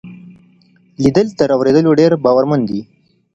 ليدل تر اورېدلو ډېر باورمن وي.